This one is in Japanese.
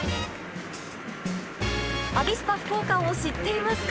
アビスパ福岡を知っていますか？